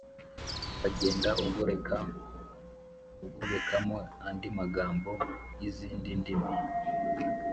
ukagenda ugoreka, ugobekamo andi magambo y’izindi ndimi.